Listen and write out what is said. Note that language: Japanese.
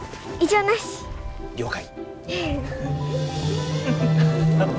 了解。